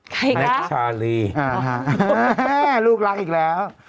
ใครอีกแล้วอ่าฮะลูกรักอีกแล้ว